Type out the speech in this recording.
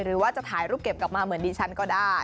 หรือว่าจะถ่ายรูปเก็บกลับมาเหมือนดิฉันก็ได้